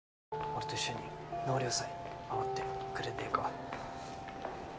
俺と一緒に納涼祭回ってくれねえか？